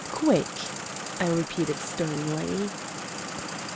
"Quick," I repeated sternly.